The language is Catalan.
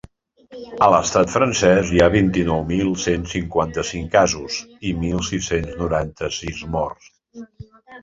A l’estat francès hi ha vint-i-nou mil cent cinquanta-cinc casos i mil sis-cents noranta-sis morts.